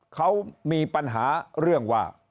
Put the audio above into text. เขามีปัญหาเรื่องว่า